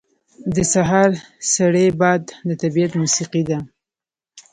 • د سهار سړی باد د طبیعت موسیقي ده.